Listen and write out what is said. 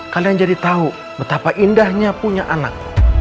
kalian jadi tahu betapa indahnya punya anak